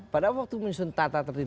pada waktu menyusun tata tertib